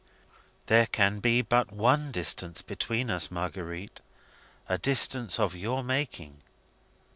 "There can be but one distance between us, Marguerite a distance of your making.